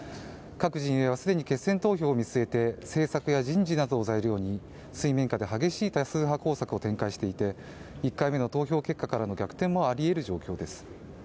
各陣営はすでに決選投票を見据えて政策や人事などを材料に水面下で激しい多数派工作を展開していて１回目の投票結果からの逆転もあり得る状況です